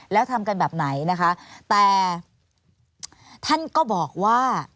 แล้วทำกันแบบไหนนะคะแต่ท่านก็บอกว่า